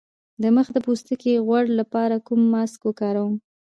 د مخ د پوستکي د غوړ لپاره کوم ماسک وکاروم؟